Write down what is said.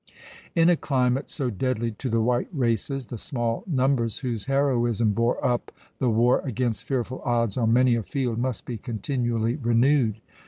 In a climate so deadly to the white races the small numbers whose heroism bore up the war against fearful odds on many a field must be continually renewed.